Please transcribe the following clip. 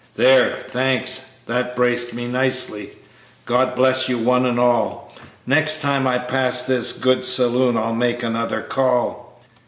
"There, thanks, that's braced me nicely; God bless you one and all; Next time I pass this good saloon I'll make another call.